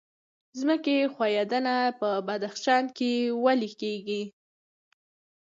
ځمکې ښویدنه په بدخشان کې ولې کیږي؟